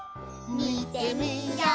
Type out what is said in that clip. みてみよう！